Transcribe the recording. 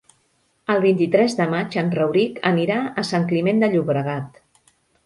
El vint-i-tres de maig en Rauric anirà a Sant Climent de Llobregat.